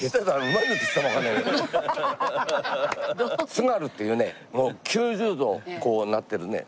津軽っていうね９０度こうなってるね